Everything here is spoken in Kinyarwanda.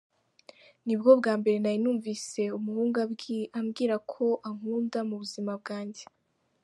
Ni bwo bwa mbere nari numvise umuhungu umbwira ko ankunda mu buzima bwanjye.